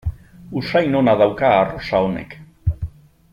Usain ona dauka arrosa honek.